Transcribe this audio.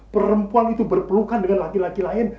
perempuan itu berpelukan dengan laki laki lain